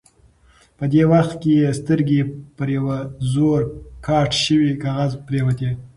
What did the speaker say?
په دې وخت کې یې سترګې پر یوه زوړ قات شوي کاغذ پرېوتې.